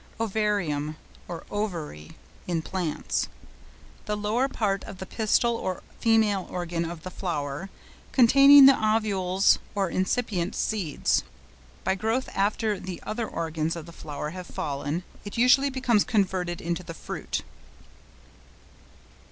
OVARIUM or OVARY (in plants).—The lower part of the pistil or female organ of the flower, containing the ovules or incipient seeds; by growth after the other organs of the flower have fallen, it usually becomes converted into the fruit.